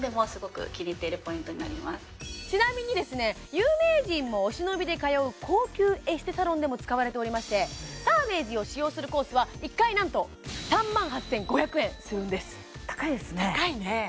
有名人もお忍びで通う高級エステサロンでも使われておりましてサーメージを使用するコースは１回なんと３万８５００円するんです高いですね高いね